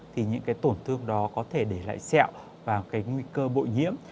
thì những tổn thương đó có thể để lại sẹo và nguy cơ bội nhiễm